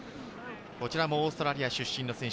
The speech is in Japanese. こちらもオーストラリア出身の選手。